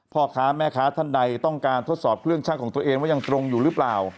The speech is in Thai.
พ่อค้าแม่ค้าท่านใดต้องการทดสอบเครื่องช่างของตัวเองว่ายังตรงอยู่หรือเปล่า